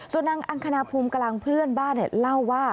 ส่วนนางอังคณาภูมิกำลังเพื่อนบ้านเล่าว่า